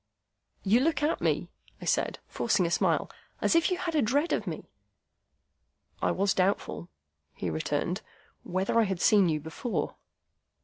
"You look at me," I said, forcing a smile, "as if you had a dread of me." "I was doubtful," he returned, "whether I had seen you before."